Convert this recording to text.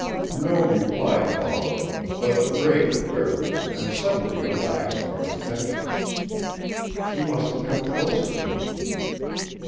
No reply followed, but the braid quivered and suddenly relaxed from its tension. She must have come closer to me.